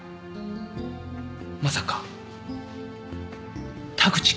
まさか田口教授？